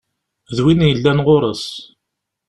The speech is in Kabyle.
D win yellan ɣur-s.